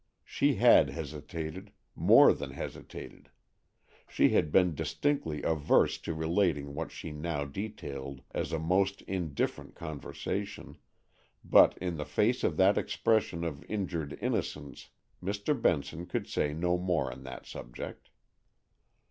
She had hesitated—more than hesitated; she had been distinctly averse to relating what she now detailed as a most indifferent conversation, but, in the face of that expression of injured innocence, Mr. Benson could say no more on that subject.